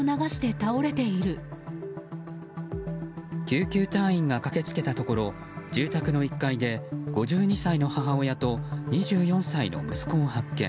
救急隊員が駆けつけたところ住宅の１階で５２歳の母親と２４歳の息子を発見。